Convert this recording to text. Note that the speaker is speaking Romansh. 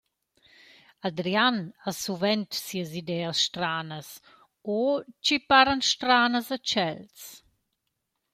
Adrian ha suvent sias ideas stranas, o chi paran stranas a tschels.